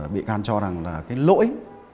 bị can cho rằng là cái lỗi